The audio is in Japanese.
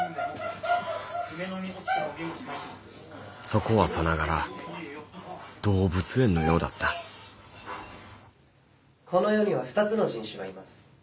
そこはさながら動物園のようだったこの世には２つの人種がいます。